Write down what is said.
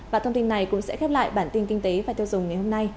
và thông tin này cũng sẽ khép lại bản tin kinh tế và tiêu dùng ngày hôm nay